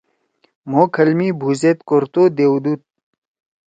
مھو کھل می بُھو زید کورتو دیؤدُو۔